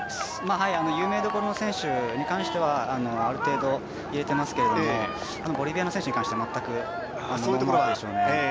有名どころの選手に関してはある程度入れていますけどもボリビアの選手に関しては全くノーマークでしょうね。